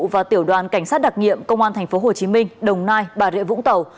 và tiểu đoàn cảnh sát đặc nghiệm công an tp hcm đồng nai bà rịa vũng tàu